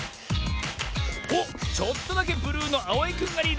おっちょっとだけブルーのあおいくんがリード。